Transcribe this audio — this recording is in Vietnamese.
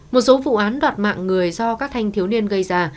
một số vụ án đoạt mạng người do các thanh thiếu niên gây ra